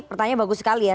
pertanyaan bagus sekali ya